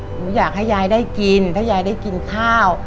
หนูอยากให้ยายได้กินถ้ายายได้กินข้าว